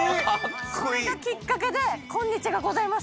それがきっかけで今日がございます。